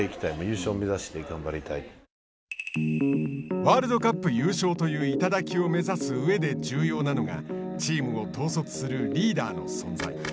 ワールドカップ優勝という頂を目指すうえで重要なのがチームを統率するリーダーの存在。